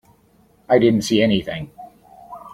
I didn't see anything.